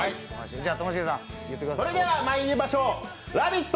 それではまいりましょう、「ラヴィット！」